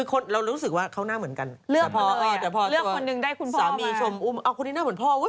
ก็ฉันเลือกคนนึงได้คุณพ่อสามีชมอุ้มเย้คนนี้หน้าเหมือนพ่อ